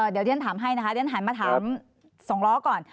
เดี๋ยวดิฉันถามให้นะคะดิฉันหันมาถามสองล้อก่อน